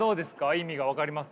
意味が分かります？